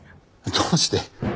どうして！